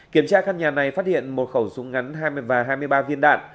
kiểm tra căn nhà này phát hiện một khẩu súng ngắn và hai mươi ba viên đạn